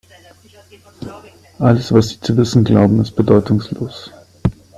Alles, was Sie zu wissen glauben, ist bedeutungslos.